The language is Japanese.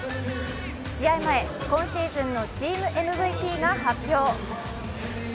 試合前、今シーズンのチームＭＶＰが発表。